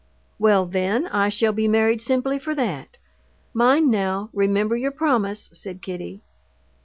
"Well, then, I shall be married simply for that. Mind now, remember your promise," said Kitty.